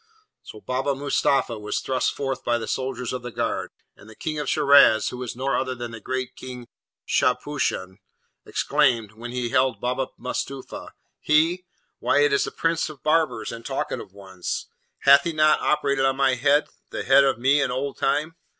So Baba Mustapha was thrust forth by the soldiers of the guard; and the King of Shiraz, who was no other than the great King Shahpushan, exclaimed, when he beheld Baba Mustapha, 'He? why, it is the prince of barbers and talkative ones! Hath he not operated on my head, the head of me in old time?